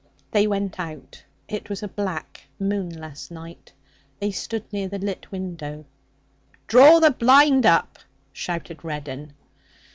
They went out. It was a black moonless night. They stood near the lit window. 'Draw the blind up!' shouted Reddin.